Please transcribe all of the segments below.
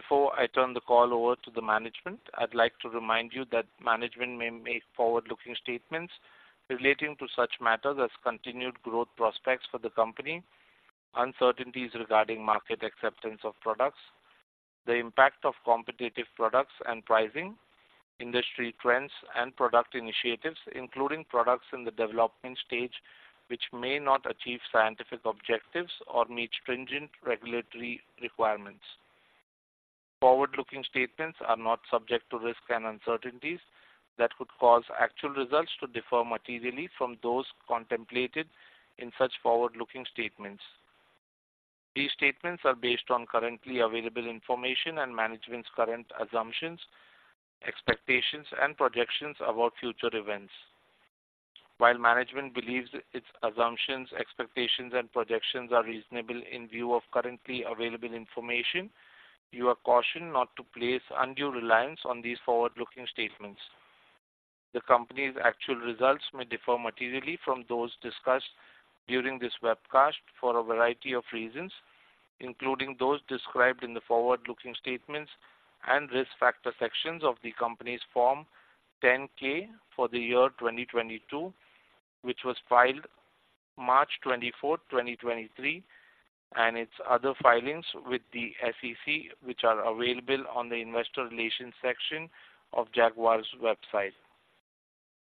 Before I turn the call over to the management, I'd like to remind you that management may make forward-looking statements relating to such matters as continued growth prospects for the company, uncertainties regarding market acceptance of products, the impact of competitive products and pricing, industry trends and product initiatives, including products in the development stage, which may not achieve scientific objectives or meet stringent regulatory requirements. Forward-looking statements are not subject to risks and uncertainties that could cause actual results to differ materially from those contemplated in such forward-looking statements. These statements are based on currently available information and management's current assumptions, expectations, and projections about future events. While management believes its assumptions, expectations, and projections are reasonable in view of currently available information, you are cautioned not to place undue reliance on these forward-looking statements. The company's actual results may differ materially from those discussed during this webcast for a variety of reasons, including those described in the forward-looking statements and risk factor sections of the company's Form 10-K for the year 2022, which was filed March 24, 2023, and its other filings with the SEC, which are available on the Investor Relations section of Jaguar's website.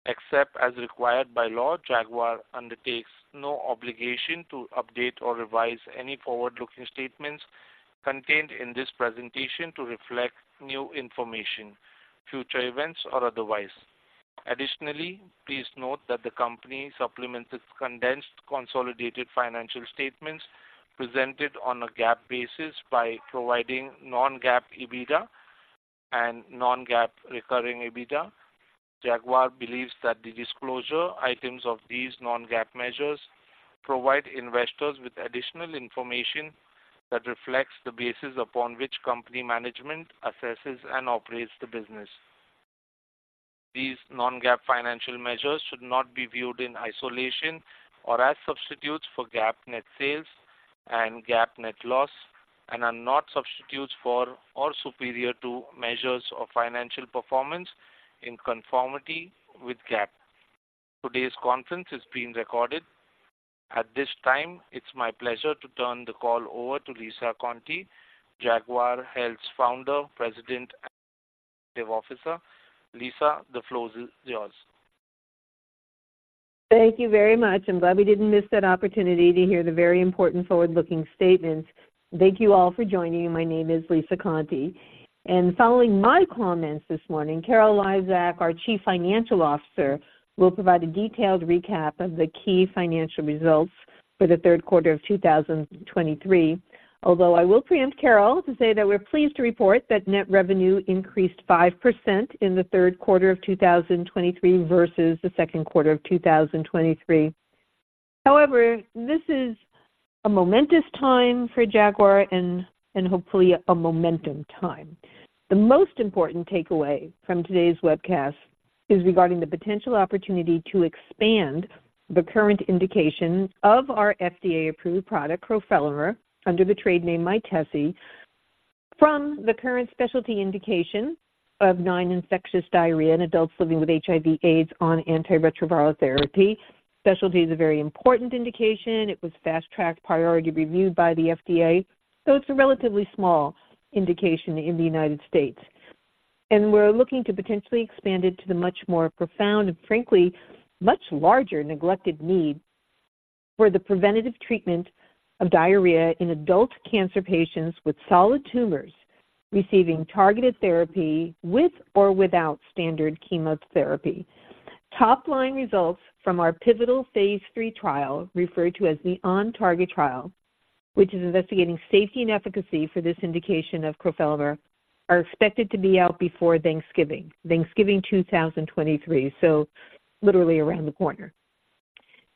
Except as required by law, Jaguar undertakes no obligation to update or revise any forward-looking statements contained in this presentation to reflect new information, future events, or otherwise. Additionally, please note that the company supplements its condensed consolidated financial statements presented on a GAAP basis by providing non-GAAP, EBITDA and non-GAAP recurring EBITDA. Jaguar believes that the disclosure items of these non-GAAP measures provide investors with additional information that reflects the basis upon which company management assesses and operates the business. These non-GAAP financial measures should not be viewed in isolation or as substitutes for GAAP net sales and GAAP net loss and are not substitutes for or superior to measures of financial performance in conformity with GAAP. Today's conference is being recorded. At this time, it's my pleasure to turn the call over to Lisa Conte, Jaguar Health's Founder, President, and Executive Officer. Lisa, the floor is yours. Thank you very much. I'm glad we didn't miss that opportunity to hear the very important forward-looking statements. Thank you all for joining me. My name is Lisa Conte, and following my comments this morning, Carol Lizak, our Chief Financial Officer, will provide a detailed recap of the key financial results for the third quarter of 2023. Although I will preempt Carol to say that we're pleased to report that net revenue increased 5% in the third quarter of 2023 versus the second quarter of 2023. However, this is a momentous time for Jaguar and hopefully a momentum time. The most important takeaway from today's webcast is regarding the potential opportunity to expand the current indication of our FDA-approved product, crofelemer, under the trade name Mytesi. From the current specialty indication of non-infectious diarrhea in adults living with HIV/AIDS on antiretroviral therapy. Specialty is a very important indication. It was fast-tracked, priority reviewed by the FDA, so it's a relatively small indication in the United States, and we're looking to potentially expand it to the much more profound and frankly, much larger neglected need for the preventative treatment of diarrhea in adult cancer patients with solid tumors receiving targeted therapy, with or without standard chemotherapy. Top-line results from our pivotal phase III trial, referred to as the OnTarget trial, which is investigating safety and efficacy for this indication of crofelemer, are expected to be out before Thanksgiving, Thanksgiving 2023, so literally around the corner.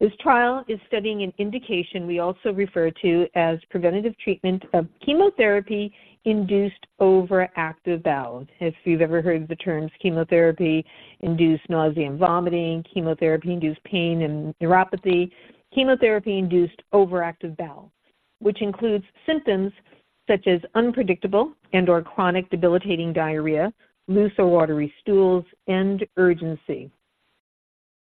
This trial is studying an indication we also refer to as preventative treatment of chemotherapy-induced overactive bowel. If you've ever heard the terms chemotherapy-induced nausea and vomiting, chemotherapy-induced pain and neuropathy, chemotherapy-induced overactive bowel, which includes symptoms such as unpredictable and/or chronic debilitating diarrhea, loose or watery stools, and urgency.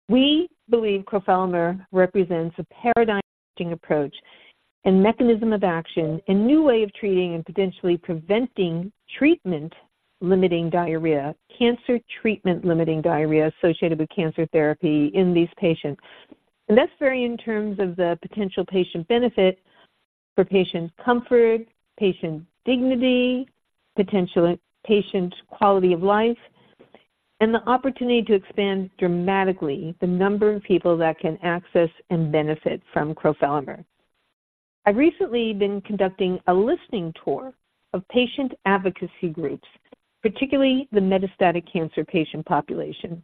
We believe crofelemer represents a paradigm-shifting approach and mechanism of action, a new way of treating and potentially preventing treatment-limiting diarrhea, cancer treatment-limiting diarrhea associated with cancer therapy in these patients. And that's very in terms of the potential patient benefit for patient comfort, patient dignity, potential patient quality of life, and the opportunity to expand dramatically the number of people that can access and benefit from crofelemer. I've recently been conducting a listening tour of patient advocacy groups, particularly the metastatic cancer patient population.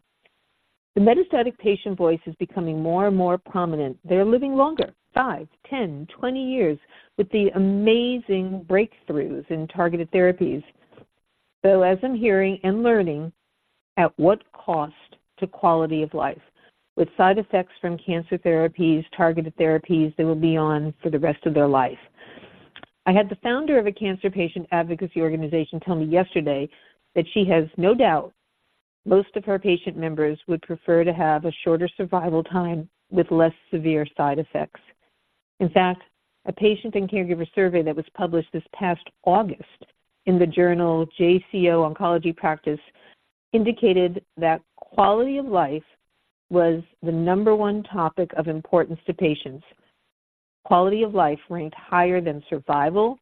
The metastatic patient voice is becoming more and more prominent. They're living longer, five, 10, 20 years with the amazing breakthroughs in targeted therapies.... So as I'm hearing and learning, at what cost to quality of life, with side effects from cancer therapies, targeted therapies they will be on for the rest of their life? I had the founder of a cancer patient advocacy organization tell me yesterday that she has no doubt most of her patient members would prefer to have a shorter survival time with less severe side effects. In fact, a patient and caregiver survey that was published this past August in the journal JCO Oncology Practice indicated that quality of life was the number one topic of importance to patients. Quality of life ranked higher than survival,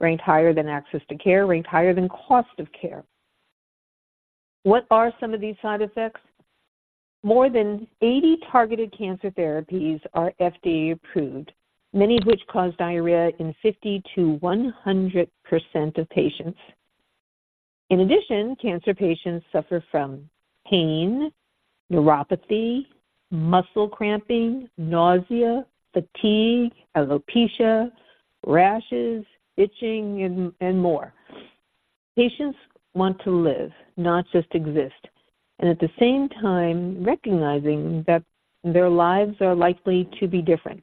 ranked higher than access to care, ranked higher than cost of care. What are some of these side effects? More than 80 targeted cancer therapies are FDA approved, many of which cause diarrhea in 50%-100% of patients. In addition, cancer patients suffer from pain, neuropathy, muscle cramping, nausea, fatigue, alopecia, rashes, itching, and, and more. Patients want to live, not just exist, and at the same time recognizing that their lives are likely to be different.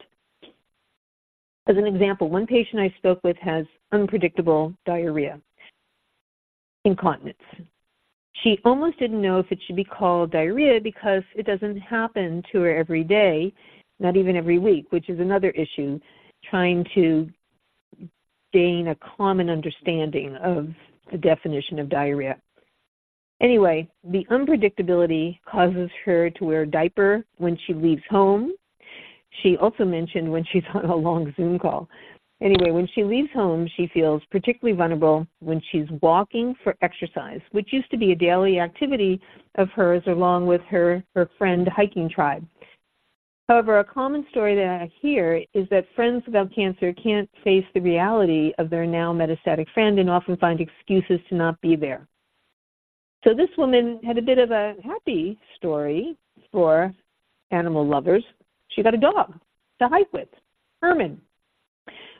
As an example, one patient I spoke with has unpredictable diarrhea, incontinence. She almost didn't know if it should be called diarrhea because it doesn't happen to her every day, not even every week, which is another issue, trying to gain a common understanding of the definition of diarrhea. Anyway, the unpredictability causes her to wear a diaper when she leaves home. She also mentioned when she's on a long Zoom call. Anyway, when she leaves home, she feels particularly vulnerable when she's walking for exercise, which used to be a daily activity of hers, along with her, her friend hiking tribe. However, a common story that I hear is that friends without cancer can't face the reality of their now metastatic friend and often find excuses to not be there. So this woman had a bit of a happy story for animal lovers. She got a dog to hike with, Herman.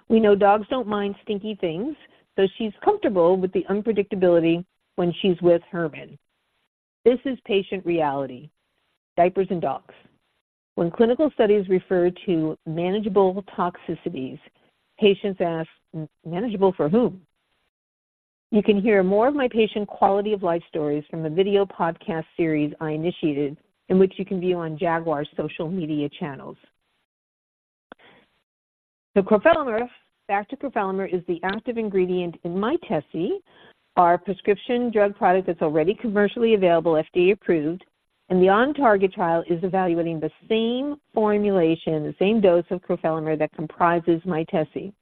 We know dogs don't mind stinky things, so she's comfortable with the unpredictability when she's with Herman. This is patient reality, diapers and dogs. When clinical studies refer to manageable toxicities, patients ask, "Manageable for whom?" You can hear more of my patient quality of life stories from the video podcast series I initiated, in which you can view on Jaguar's social media channels. So crofelemer, back to crofelemer, is the active ingredient in Mytesi, our prescription drug product that's already commercially available, FDA approved, and the OnTarget trial is evaluating the same formulation, the same dose of crofelemer that comprises Mytesi.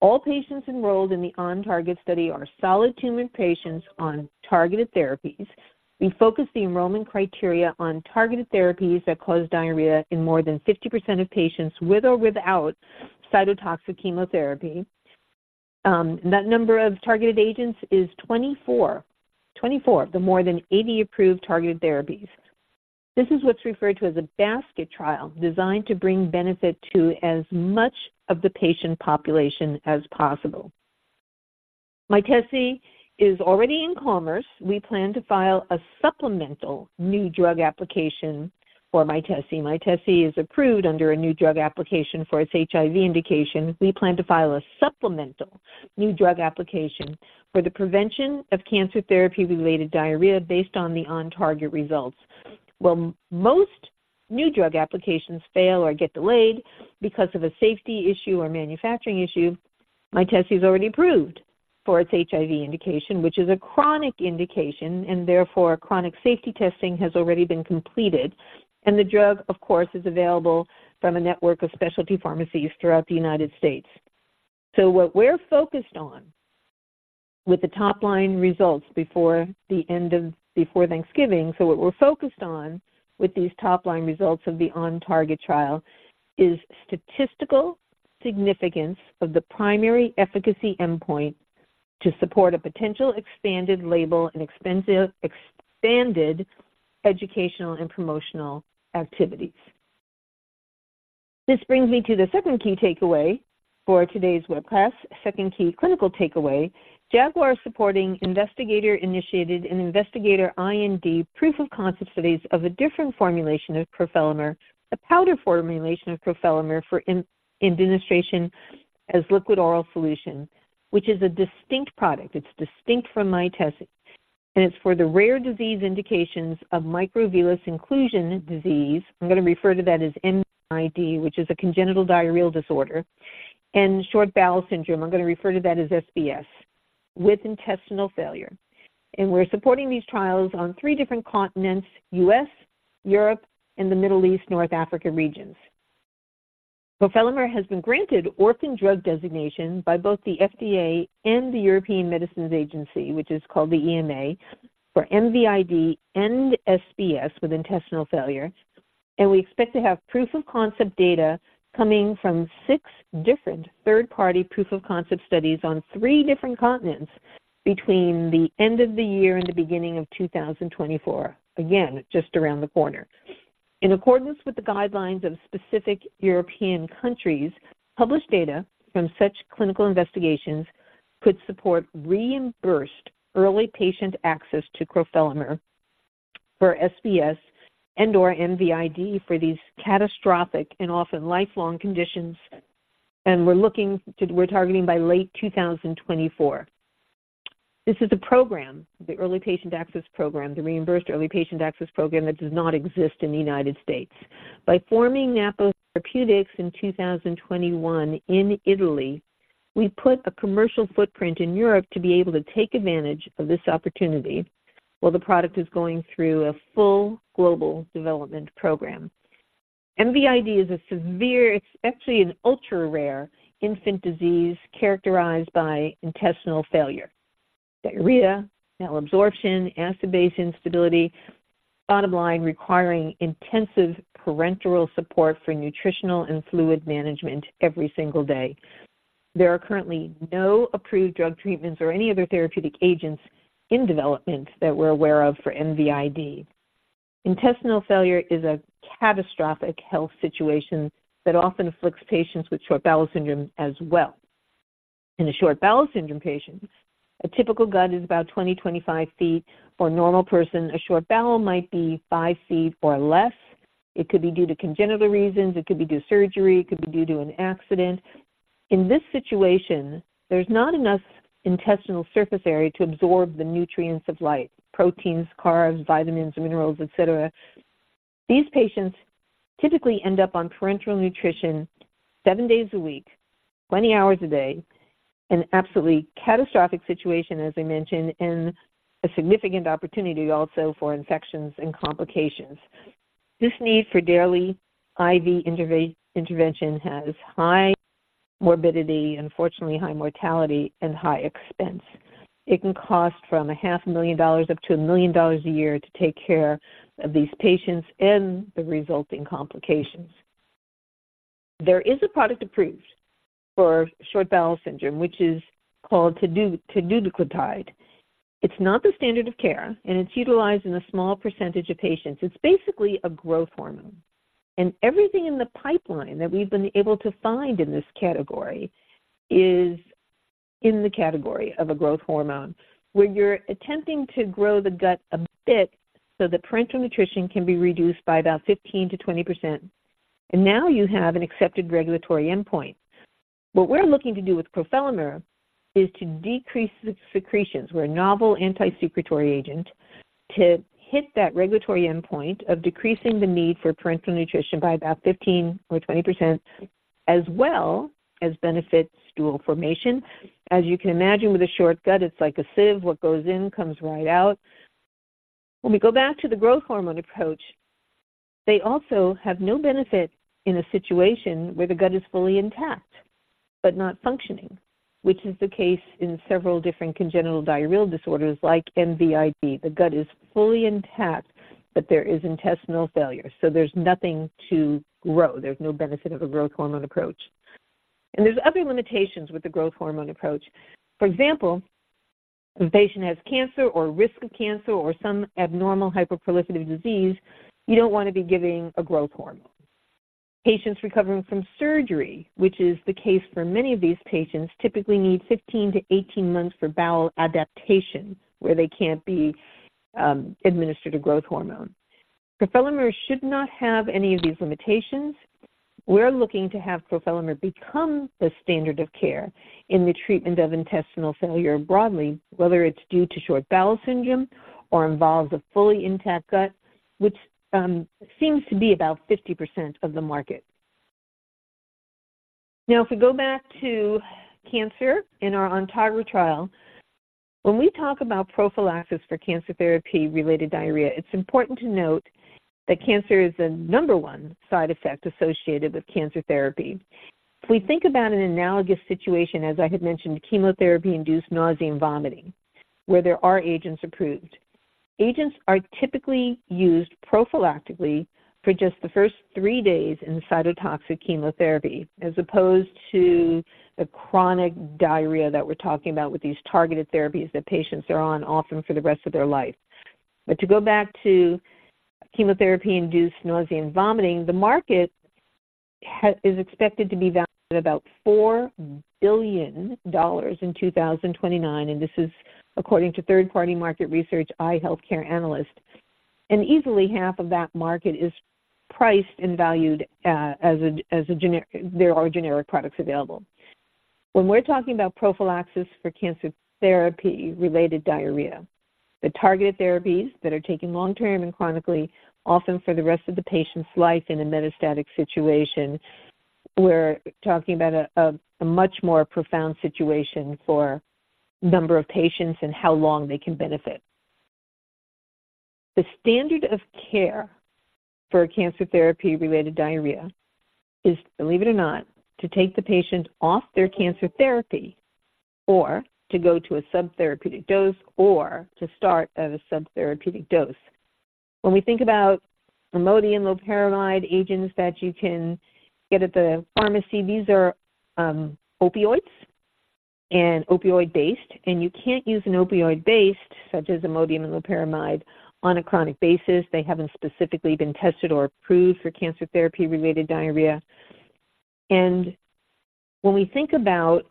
All patients enrolled in the OnTarget study are solid tumor patients on targeted therapies. We focus the enrollment criteria on targeted therapies that cause diarrhea in more than 50% of patients, with or without cytotoxic chemotherapy. That number of targeted agents is 24 of the more than 80 approved targeted therapies. This is what's referred to as a basket trial, designed to bring benefit to as much of the patient population as possible. Mytesi is already in commerce. We plan to file a supplemental new drug application for Mytesi. Mytesi is approved under a new drug application for its HIV indication. We plan to file a supplemental new drug application for the prevention of cancer therapy-related diarrhea based on the OnTarget results. While most new drug applications fail or get delayed because of a safety issue or manufacturing issue, Mytesi's already approved for its HIV indication, which is a chronic indication, and therefore, chronic safety testing has already been completed, and the drug, of course, is available from a network of specialty pharmacies throughout the United States. So what we're focused on with the top-line results before Thanksgiving, so what we're focused on with these top-line results of the OnTarget trial is statistical significance of the primary efficacy endpoint to support a potential expanded label and expanded educational and promotional activities. This brings me to the second key takeaway for today's webcast. Second key clinical takeaway, Jaguar supporting investigator-initiated and investigator IND proof of concept studies of a different formulation of crofelemer, a powder formulation of crofelemer, for in-administration as liquid oral solution, which is a distinct product. It's distinct from Mytesi, and it's for the rare disease indications of microvillus inclusion disease. I'm going to refer to that as MVID, which is a congenital diarrheal disorder, and short bowel syndrome, I'm going to refer to that as SBS, with intestinal failure. And we're supporting these trials on three different continents, U.S., Europe, and the Middle East, North Africa regions. Crofelemer has been granted orphan drug designation by both the FDA and the European Medicines Agency, which is called the EMA, for MVID and SBS with intestinal failure. And we expect to have proof of concept data coming from six different third-party proof of concept studies on three different continents between the end of the year and the beginning of 2024. Again, just around the corner.... In accordance with the guidelines of specific European countries, published data from such clinical investigations could support reimbursed early patient access to crofelemer for SBS and/or MVID for these catastrophic and often lifelong conditions, and we're looking to-- we're targeting by late 2024. This is a program, the Early Patient Access Program, the Reimbursed Early Patient Access Program, that does not exist in the United States. By forming Napo Therapeutics in 2021 in Italy, we put a commercial footprint in Europe to be able to take advantage of this opportunity while the product is going through a full global development program. MVID is a severe, it's actually an ultra-rare infant disease characterized by intestinal failure, diarrhea, malabsorption, acid-base instability. Bottom line, requiring intensive parenteral support for nutritional and fluid management every single day. There are currently no approved drug treatments or any other therapeutic agents in development that we're aware of for MVID. Intestinal failure is a catastrophic health situation that often afflicts patients with short bowel syndrome as well. In a short bowel syndrome patient, a typical gut is about 20 ft-25 ft. For a normal person, a short bowel might be 5 ft or less. It could be due to congenital reasons, it could be due to surgery, it could be due to an accident. In this situation, there's not enough intestinal surface area to absorb the nutrients of life: proteins, carbs, vitamins, and minerals, et cetera. These patients typically end up on parenteral nutrition seven days a week, 20 hours a day, an absolutely catastrophic situation, as I mentioned, and a significant opportunity also for infections and complications. This need for daily IV intervention has high morbidity, unfortunately, high mortality, and high expense. It can cost from $500,000 up to $1 million a year to take care of these patients and the resulting complications. There is a product approved for short bowel syndrome, which is called teduglutide. It's not the standard of care, and it's utilized in a small percentage of patients. It's basically a growth hormone, and everything in the pipeline that we've been able to find in this category is in the category of a growth hormone, where you're attempting to grow the gut a bit so the parenteral nutrition can be reduced by about 15%-20%, and now you have an accepted regulatory endpoint. What we're looking to do with crofelemer is to decrease the secretions. We're a novel anti-secretory agent to hit that regulatory endpoint of decreasing the need for parenteral nutrition by about 15%-20%, as well as benefit stool formation. As you can imagine with a short gut, it's like a sieve. What goes in, comes right out. When we go back to the growth hormone approach, they also have no benefit in a situation where the gut is fully intact but not functioning, which is the case in several different congenital diarrheal disorders like MVID. The gut is fully intact, but there is intestinal failure, so there's nothing to grow. There's no benefit of a growth hormone approach. And there's other limitations with the growth hormone approach. For example, if a patient has cancer or risk of cancer or some abnormal hyperproliferative disease, you don't want to be giving a growth hormone. Patients recovering from surgery, which is the case for many of these patients, typically need 15-18 months for bowel adaptation, where they can't be administered a growth hormone. Crofelemer should not have any of these limitations. We're looking to have crofelemer become the standard of care in the treatment of intestinal failure broadly, whether it's due to short bowel syndrome or involves a fully intact gut, which seems to be about 50% of the market. Now, if we go back to cancer in our OnTarget trial, when we talk about prophylaxis for cancer therapy-related diarrhea, it's important to note that cancer is the number one side effect associated with cancer therapy. If we think about an analogous situation, as I had mentioned, chemotherapy-induced nausea and vomiting, where there are agents approved. Agents are typically used prophylactically for just the first 3 days in cytotoxic chemotherapy, as opposed to the chronic diarrhea that we're talking about with these targeted therapies that patients are on, often for the rest of their life. But to go back to chemotherapy-induced nausea and vomiting, the market is expected to be valued at about $4 billion in 2029, and this is according to third-party market research, IQVIA Healthcare Analyst. Easily half of that market is priced and valued as a generic. There are generic products available. When we're talking about prophylaxis for cancer therapy-related diarrhea, the targeted therapies that are taken long-term and chronically, often for the rest of the patient's life in a metastatic situation, we're talking about a much more profound situation for number of patients and how long they can benefit. The standard of care for cancer therapy-related diarrhea is, believe it or not, to take the patient off their cancer therapy or to go to a subtherapeutic dose, or to start at a subtherapeutic dose. When we think about promethazine, loperamide, agents that you can get at the pharmacy, these are opioids and opioid-based, and you can't use an opioid-based, such as Imodium and loperamide, on a chronic basis. They haven't specifically been tested or approved for cancer therapy-related diarrhea. When we think about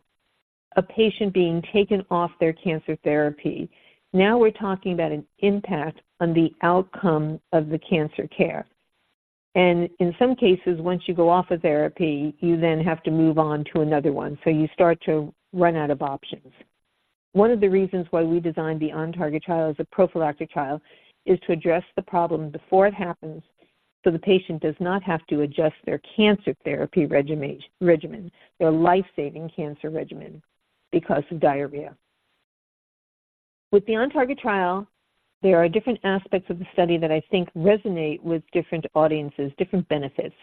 a patient being taken off their cancer therapy, now we're talking about an impact on the outcome of the cancer care. In some cases, once you go off a therapy, you then have to move on to another one, so you start to run out of options. One of the reasons why we designed the OnTarget trial as a prophylactic trial is to address the problem before it happens, so the patient does not have to adjust their cancer therapy regimen, their life-saving cancer regimen, because of diarrhea. With the OnTarget trial, there are different aspects of the study that I think resonate with different audiences, different benefits.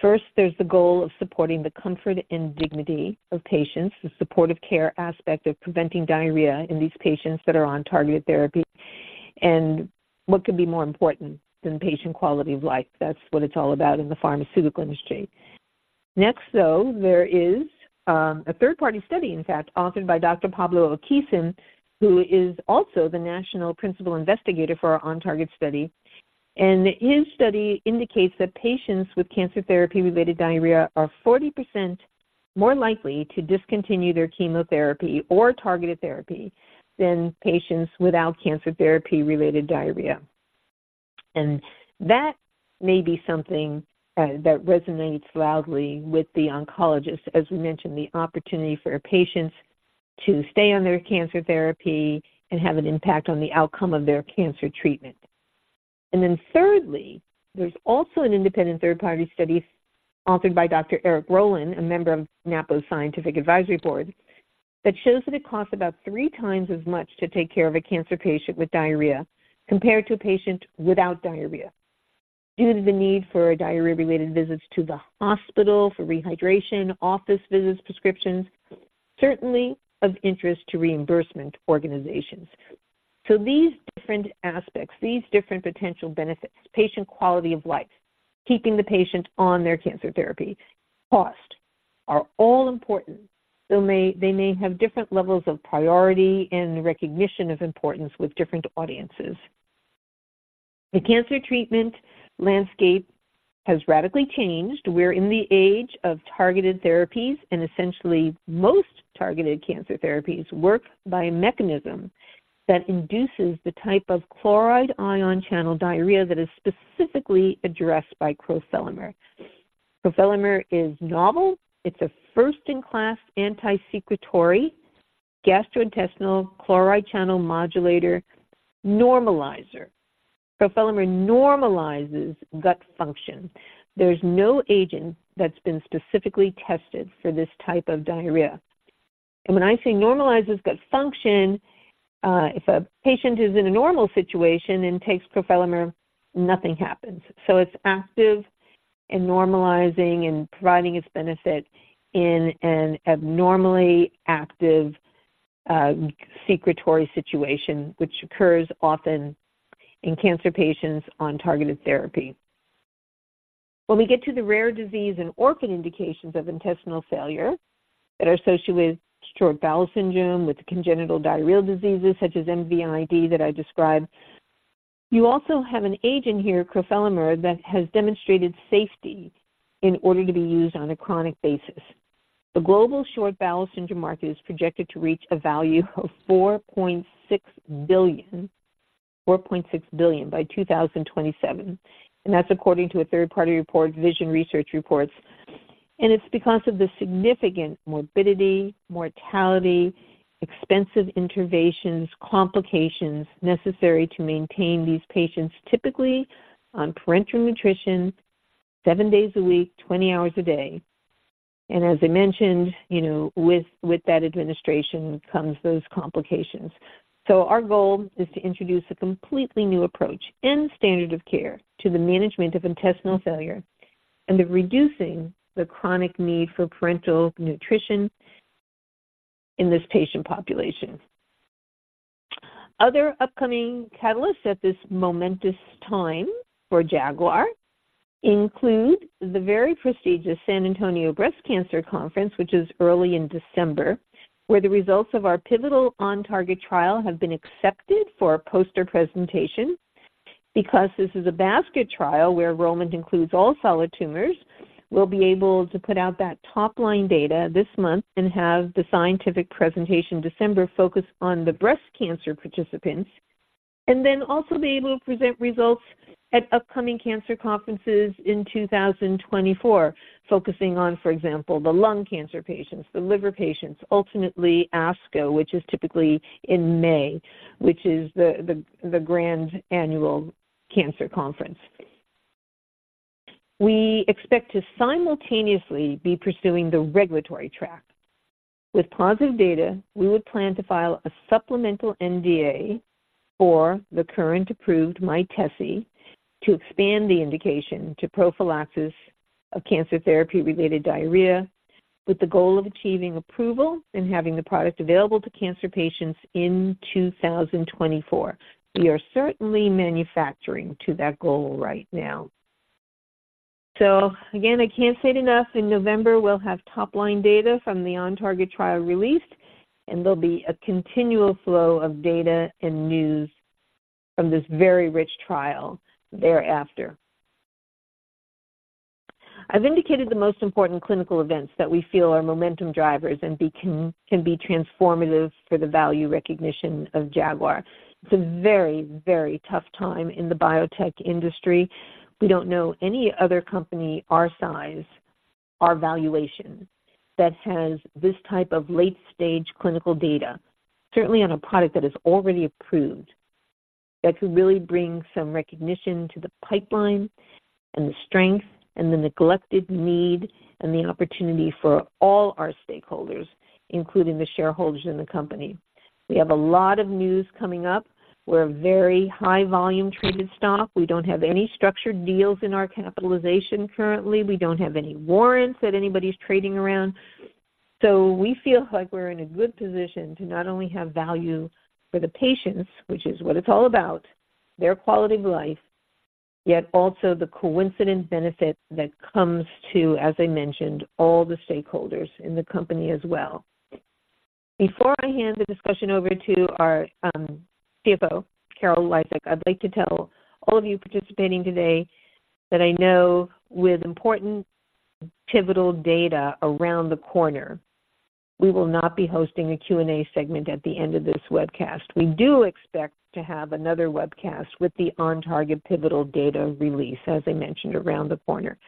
First, there's the goal of supporting the comfort and dignity of patients, the supportive care aspect of preventing diarrhea in these patients that are on targeted therapy. And what could be more important than patient quality of life? That's what it's all about in the pharmaceutical industry. Next, though, there is a third-party study, in fact, authored by Dr. Pablo Okhuysen, who is also the National Principal Investigator for our OnTarget study. And his study indicates that patients with cancer therapy-related diarrhea are 40% more likely to discontinue their chemotherapy or targeted therapy than patients without cancer therapy-related diarrhea. And that may be something that resonates loudly with the oncologist. As we mentioned, the opportunity for patients to stay on their cancer therapy and have an impact on the outcome of their cancer treatment. And then thirdly, there's also an independent third-party study authored by Dr. Eric Roeland, a member of Napo's Scientific Advisory Board, that shows that it costs about three times as much to take care of a cancer patient with diarrhea compared to a patient without diarrhea, due to the need for diarrhea-related visits to the hospital for rehydration, office visits, prescriptions, certainly of interest to reimbursement organizations. So these different aspects, these different potential benefits, patient quality of life, keeping the patient on their cancer therapy, cost, are all important, though may-- they may have different levels of priority and recognition of importance with different audiences. The cancer treatment landscape has radically changed. We're in the age of targeted therapies, and essentially, most targeted cancer therapies work by a mechanism that induces the type of chloride ion channel diarrhea that is specifically addressed by crofelemer. Crofelemer is novel. It's a first-in-class anti-secretory, gastrointestinal chloride channel modulator normalizer. Crofelemer normalizes gut function. There's no agent that's been specifically tested for this type of diarrhea. When I say normalizes gut function, if a patient is in a normal situation and takes crofelemer, nothing happens. It's active in normalizing and providing its benefit in an abnormally active, secretory situation, which occurs often in cancer patients on targeted therapy. When we get to the rare disease and orphan indications of intestinal failure that are associated with short bowel syndrome, with congenital diarrheal diseases such as MVID that I described, you also have an agent here, crofelemer, that has demonstrated safety in order to be used on a chronic basis. The global short bowel syndrome market is projected to reach a value of $4.6 billion, $4.6 billion by 2027, and that's according to a third-party report, Vision Research Reports. And it's because of the significant morbidity, mortality, expensive interventions, complications necessary to maintain these patients, typically on parenteral nutrition, seven days a week, 20 hours a day. And as I mentioned, you know, with, with that administration comes those complications. Our goal is to introduce a completely new approach in standard of care to the management of intestinal failure and reducing the chronic need for parenteral nutrition in this patient population. Other upcoming catalysts at this momentous time for Jaguar include the very prestigious San Antonio Breast Cancer Symposium, which is early in December, where the results of our pivotal OnTarget trial have been accepted for a poster presentation. Because this is a basket trial where enrollment includes all solid tumors, we'll be able to put out that top-line data this month and have the scientific presentation in December focus on the breast cancer participants, and then also be able to present results at upcoming cancer conferences in 2024, focusing on, for example, the lung cancer patients, the liver patients, ultimately, ASCO, which is typically in May, which is the grand annual cancer conference. We expect to simultaneously be pursuing the regulatory track. With positive data, we would plan to file a supplemental NDA for the current approved Mytesi to expand the indication to prophylaxis of cancer therapy-related diarrhea, with the goal of achieving approval and having the product available to cancer patients in 2024. We are certainly manufacturing to that goal right now. So again, I can't say it enough, in November, we'll have top-line data from the OnTarget trial released, and there'll be a continual flow of data and news from this very rich trial thereafter. I've indicated the most important clinical events that we feel are momentum drivers and can be transformative for the value recognition of Jaguar. It's a very, very tough time in the biotech industry. We don't know any other company our size, our valuation, that has this type of late-stage clinical data, certainly on a product that is already approved, that could really bring some recognition to the pipeline and the strength and the neglected need and the opportunity for all our stakeholders, including the shareholders in the company. We have a lot of news coming up. We're a very high volume traded stock. We don't have any structured deals in our capitalization currently. We don't have any warrants that anybody's trading around. So we feel like we're in a good position to not only have value for the patients, which is what it's all about, their quality of life, yet also the coincident benefit that comes to, as I mentioned, all the stakeholders in the company as well. Before I hand the discussion over to our CFO, Carol Lizak, I'd like to tell all of you participating today that I know with important pivotal data around the corner, we will not be hosting a Q&A segment at the end of this webcast. We do expect to have another webcast with the OnTarget pivotal data release, as I mentioned, around the corner.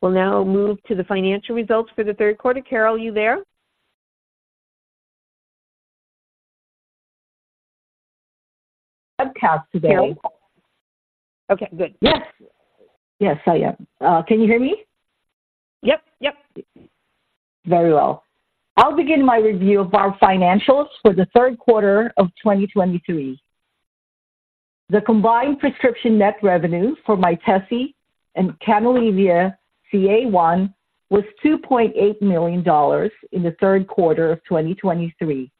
We'll now move to the financial results for the third quarter. Carol, are you there? Carol? Okay, good. Yes, I am. Can you hear me? Yep, yep. Very well. I'll begin my review of our financials for the third quarter of 2023. The combined prescription net revenue for Mytesi and Canalevia-CA1 was $2.8 million in the third quarter of 2023,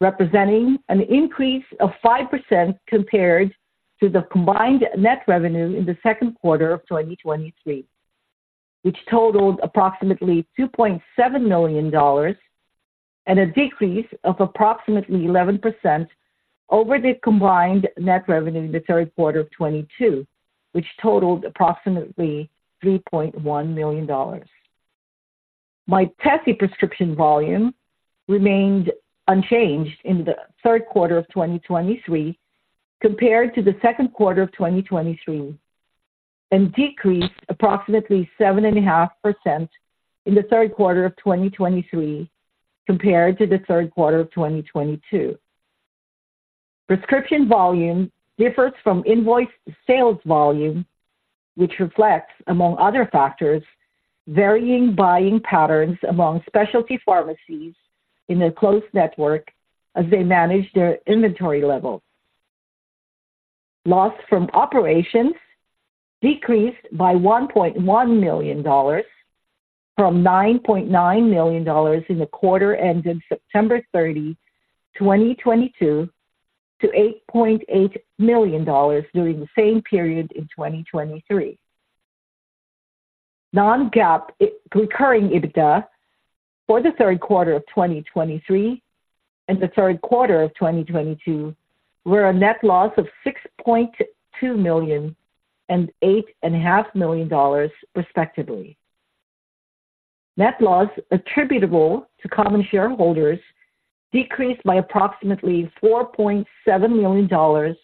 representing an increase of 5% compared to the combined net revenue in the second quarter of 2023, which totaled approximately $2.7 million, and a decrease of approximately 11% over the combined net revenue in the third quarter of 2022, which totaled approximately $3.1 million. Mytesi prescription volume remained unchanged in the third quarter of 2023 compared to the second quarter of 2023, and decreased approximately 7.5% in the third quarter of 2023 compared to the third quarter of 2022. Prescription volume differs from invoice sales volume, which reflects, among other factors, varying buying patterns among specialty pharmacies in a closed network as they manage their inventory levels. Loss from operations decreased by $1.1 million from $9.9 million in the quarter ended September 30, 2022, to $8.8 million during the same period in 2023. Non-GAAP, recurring EBITDA for the third quarter of 2023 and the third quarter of 2022, were a net loss of $6.2 million and $8.5 million, respectively. Net loss attributable to common shareholders decreased by approximately $4.7 million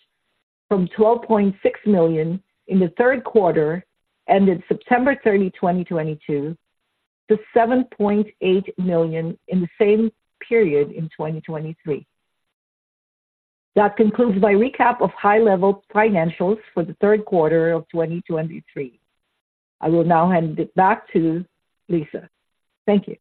from $12.6 million in the third quarter, ended September 30, 2022, to $7.8 million in the same period in 2023. That concludes my recap of high-level financials for the third quarter of 2023. I will now hand it back to Lisa. Thank you.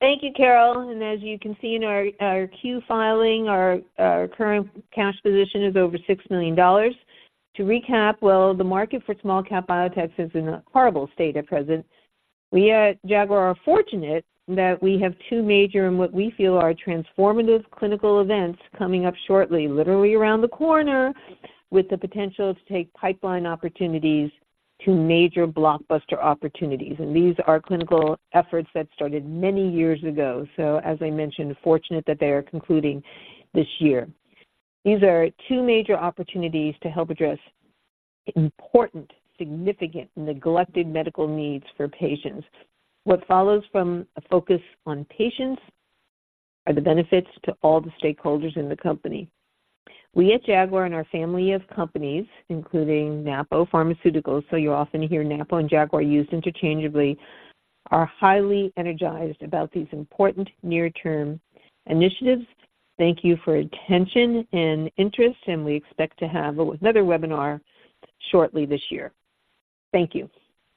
Thank you, Carol, and as you can see in our 10-Q filing, our current cash position is over $6 million. To recap, well, the market for small-cap biotechs is in a horrible state at present. We at Jaguar are fortunate that we have two major and what we feel are transformative clinical events coming up shortly, literally around the corner, with the potential to take pipeline opportunities to major blockbuster opportunities. And these are clinical efforts that started many years ago. So as I mentioned, fortunate that they are concluding this year. These are two major opportunities to help address important, significant, neglected medical needs for patients. What follows from a focus on patients are the benefits to all the stakeholders in the company. We at Jaguar and our family of companies, including Napo Pharmaceuticals, so you'll often hear Napo and Jaguar used interchangeably, are highly energized about these important near-term initiatives. Thank you for your attention and interest, and we expect to have another webinar shortly this year. Thank you.